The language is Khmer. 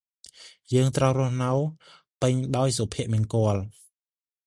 យើងត្រូវរស់នៅពេញដោយសុភមង្គល ។